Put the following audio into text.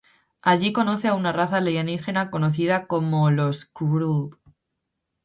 Allí conoce a una raza alienígena conocida como los Q`wrrlln.